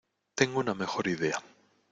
Tengo una mejor idea.